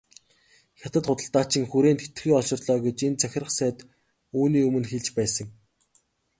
Хятад худалдаачин хүрээнд хэтэрхий олширлоо гэж энэ захирах сайд үүний өмнө хэлж байсан.